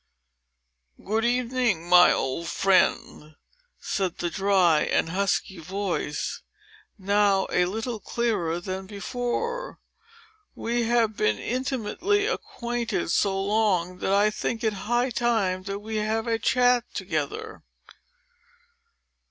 "Good evening, my old friend," said the dry and husky voice, now a little clearer than before. "We have been intimately acquainted so long, that I think it high time we have a chat together."